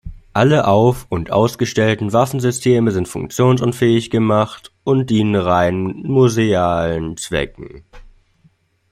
Alle auf- und ausgestellten Waffensysteme sind funktionsunfähig gemacht und dienen rein musealen Zwecken.